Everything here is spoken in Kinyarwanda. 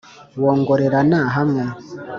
wongorerana hamwe,